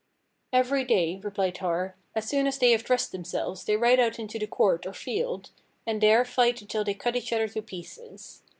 "Every day," replied Har, "as soon as they have dressed themselves they ride out into the court (or field), and there fight until they cut each other to pieces.